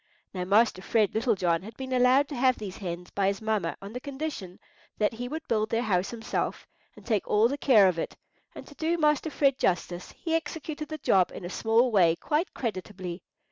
Now Master Fred Little John had been allowed to have these hens by his mamma on the condition that he would build their house himself, and take all the care of it; and to do Master Fred justice, he executed the job in a small way quite creditably.